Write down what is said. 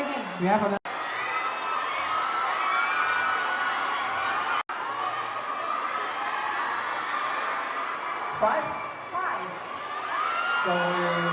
กับบาทและเมื่อร้าน